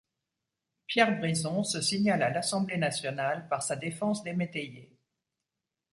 Pierre Brizon se signale à l'Assemblée nationale par sa défense des métayers.